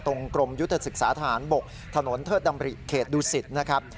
กรมยุทธศึกษาทหารบกถนนเทิดดำริเขตดูสิตนะครับ